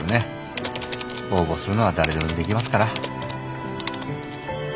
応募するのは誰でもできますから。